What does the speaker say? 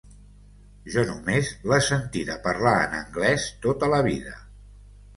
Jo només l'he sentida parlar en anglès tota la vida.